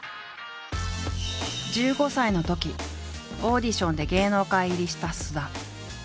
１５歳のときオーディションで芸能界入りした菅田。